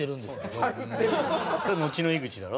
それのちの井口だろ？